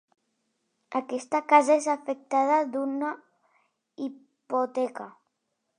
Aquesta casa és afectada d'una hipoteca.